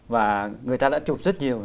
và người ta đã chụp rất nhiều